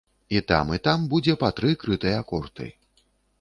І там, і там будзе па тры крытыя корты.